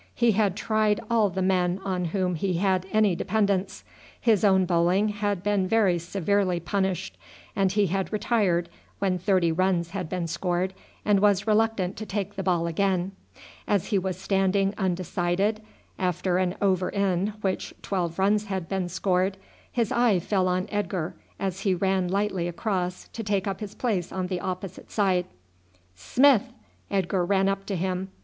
He had tried all the men on whom he had any dependence. His own bowling had been very severely punished, and he had retired when thirty runs had been scored and was reluctant to take the ball again. As he was standing undecided after an over in which twelve runs had been scored, his eye fell on Edgar as he ran lightly across to take up his place on the opposite side. "Smith!" Edgar ran up to him.